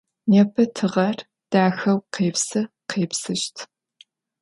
Nêpe tığer daxeu khêpsı khêpsışt.